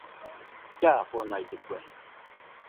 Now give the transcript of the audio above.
Llafonaidɨkue